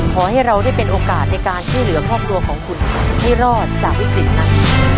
ขอให้เราได้เป็นโอกาสในการช่วยเหลือครอบครัวของคุณให้รอดจากวิกฤตนั้น